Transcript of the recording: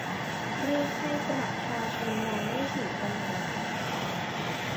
รีบทำให้ประชาชนมองไม่เห็นปัญหา